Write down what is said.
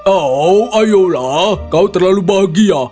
oh ayolah kau terlalu bahagia